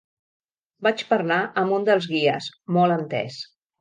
Vaig parlar amb un dels guies, molt entès.